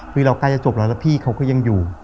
คือเราใกล้จะจบแล้วแล้วพี่เขาก็ยังอยู่